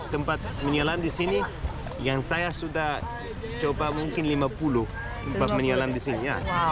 tempat menyelam di sini yang saya sudah coba mungkin lima puluh tempat menyelam di sini